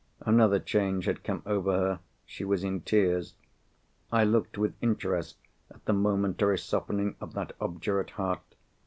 Another change had come over her—she was in tears. I looked with interest at the momentary softening of that obdurate heart.